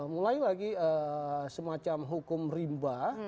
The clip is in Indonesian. mulai lagi semacam hukum rimba